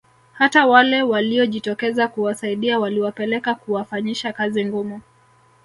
Hata wale waliojitokeza kuwasaidia waliwapeleka kuwafanyisha kazi ngumu